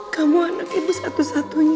kamu anak ibu satu satunya